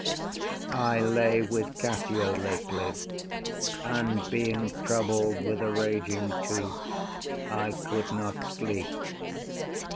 I lay with Cassio lately, And being troubled with a raging tooth, I could not sleep.